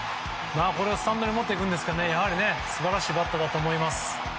これをスタンドに持っていくんですが素晴らしいバッターだと思います。